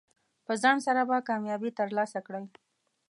په ځنډ سره به کامیابي ترلاسه کړئ.